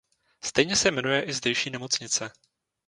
Stejně se jmenuje i zdejší nemocnice.